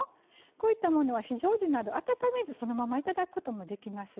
こういったものは非常時など温めずそのままいただくこともできます。